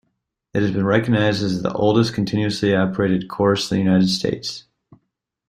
It has been recognized as the oldest continuously operated course in the United States.